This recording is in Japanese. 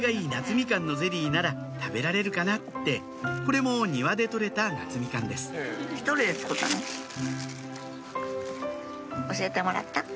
ミカンのゼリーなら食べられるかなってこれも庭で取れた夏ミカンです教えてもらった？